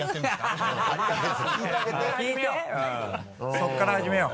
そこから始めよう。